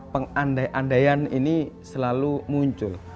pengandaian ini selalu muncul